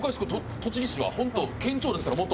栃木市は本当県庁ですから元。